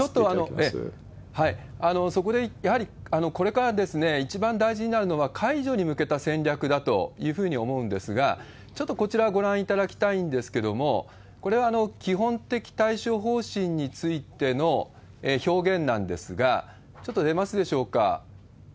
やはりそこでちょっと、そこでやはりこれから一番大事になるのは、解除に向けた戦略だというふうに思うんですが、ちょっとこちらをご覧いただきたいんですけれども、これは基本的対処方針についての表現なんですが、ちょっと出ますでしょうか？